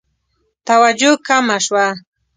توجه کمه شوه.